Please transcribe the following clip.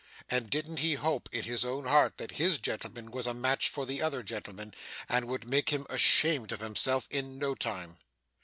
And didn't he hope in his own heart that his gentleman was a match for the other gentleman, and would make him ashamed of himself in no time!